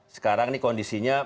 sekarang ini kondisinya